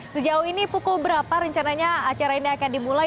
sejauh ini pukul berapa rencananya acara ini akan dimulai